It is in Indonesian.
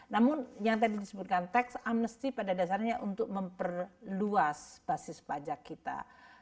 namun yang tadi disebutkan tax amnesty pada dasarnya untuk memperluas basis pajak kita